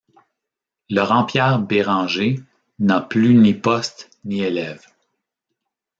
Laurent-Pierre Bérenger n'a plus ni poste, ni élève.